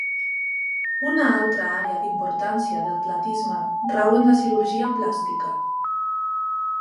Una altra àrea d'importància del platisma rau en la cirurgia plàstica.